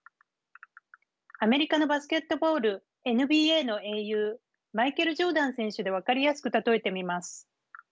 アメリカのバスケットボールＮＢＡの英雄マイケル・ジョーダン選手で分かりやすく例えてみます。